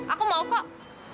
aku mau kok